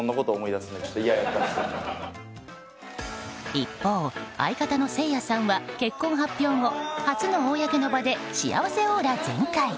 一方、相方のせいやさんは結婚発表後初の公の場で幸せオーラ全開。